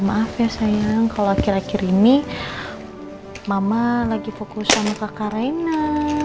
maaf ya sayang kalau akhir akhir ini mama lagi fokus sama kakak raina